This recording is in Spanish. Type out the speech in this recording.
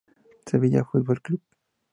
Sevilla Fútbol Club